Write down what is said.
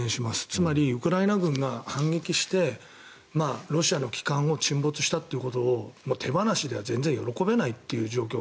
つまり、ウクライナ軍が反撃してロシアの旗艦を沈没したということを手放しでは全然喜べない状況。